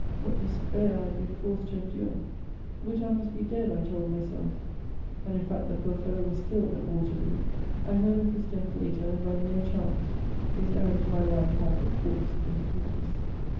What despair I had been forced to endure! 'Boutin must be dead! I told myself, and in fact the poor fellow was killed at Waterloo. I heard of his death later, and by mere chance. His errand to my wife had, of course, been fruitless.